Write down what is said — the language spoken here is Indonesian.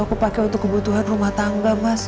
aku pakai untuk kebutuhan rumah tangga mas